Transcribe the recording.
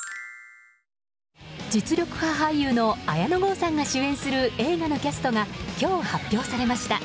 実力派俳優の綾野剛さんが主演する映画のキャストが今日、発表されました。